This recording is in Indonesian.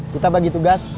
kita bagi tugas